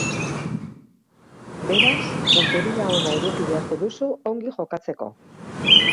Beraz, punteria ona eduki beharko duzu ongi jokatzeko!